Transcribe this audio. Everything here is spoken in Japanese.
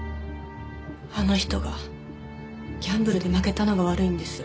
あの人がギャンブルで負けたのが悪いんです。